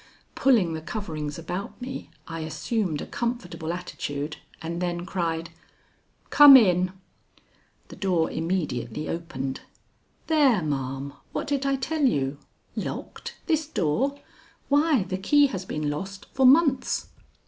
Pulling the coverings about me, I assumed a comfortable attitude and then cried: "Come in." The door immediately opened. "There, ma'am! What did I tell you? Locked? this door? Why, the key has been lost for months."